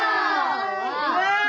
うわ。